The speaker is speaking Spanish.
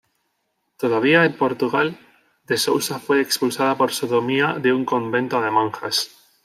Todavía en Portugal, De Sousa fue expulsada por sodomía de un convento de monjas.